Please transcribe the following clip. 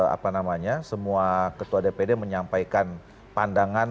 apa namanya semua ketua dpd menyampaikan pandangan